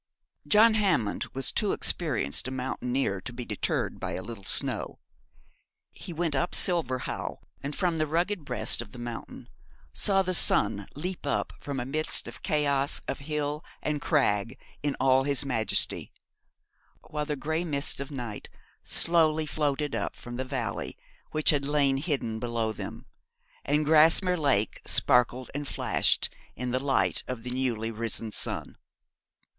John Hammond was too experienced a mountaineer to be deterred by a little snow. He went up Silver Howe, and from the rugged breast of the mountain saw the sun leap up from amidst a chaos of hill and crag, in all his majesty, while the grey mists of night slowly floated up from the valley that had lain hidden below them, and Grasmere Lake sparkled and flashed in the light of the newly risen sun.